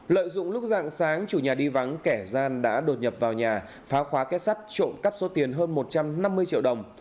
lợi dụng lúc dạng sáng chủ nhà đi vắng kẻ gian đã đột nhập vào nhà phá khóa kết sắt trộm cắp số tiền hơn một trăm năm mươi triệu đồng